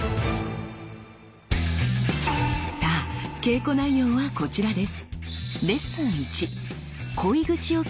さあ稽古内容はこちらです。